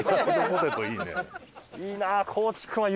いいなあ。